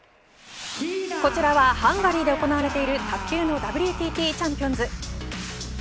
こちらはハンガリーで行われている卓球のＷＴＴチャンピオンズ。